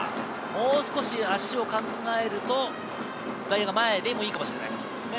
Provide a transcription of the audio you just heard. もう少し、足を考えると、外野が前でもいいかもしれないということですね。